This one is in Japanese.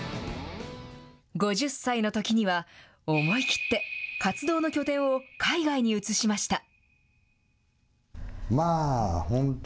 ５０歳のときには、思い切って、活動の拠点を海外に移しました。